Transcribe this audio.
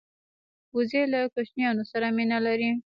وزې له کوچنیانو سره مینه لري